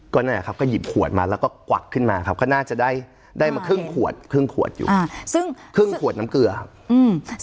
ก็นั่นแหละครับก็หยิบขวดมาแล้วก็กวักขึ้นมาครับก็น่าจะได้มาครึ่งขวดอยู่ครึ่งขวดน้ำเกลือครับ